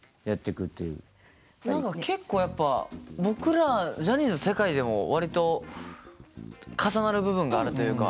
何か結構やっぱ僕らジャニーズの世界でも割と重なる部分があるというか。